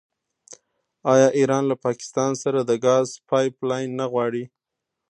آیا ایران له پاکستان سره د ګاز پایپ لاین نه غواړي؟